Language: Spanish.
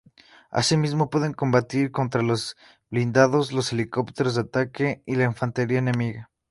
Asimismo, pueden combatir contra los blindados, los helicópteros de ataque y la infantería enemiga.